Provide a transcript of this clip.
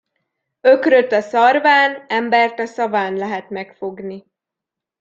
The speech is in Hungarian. Ökröt a szarván, embert a szaván lehet megfogni.